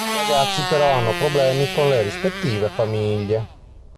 I ragazzi però hanno problemi con le rispettive famiglie.